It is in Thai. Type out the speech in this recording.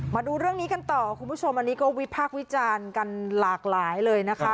มาดูเรื่องนี้กันต่อคุณผู้ชมอันนี้ก็วิพากษ์วิจารณ์กันหลากหลายเลยนะคะ